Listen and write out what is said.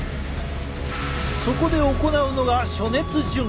そこで行うのが暑熱順化。